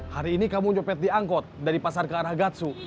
hari ini kamu nyopet diangkut dari pasar ke ragatsu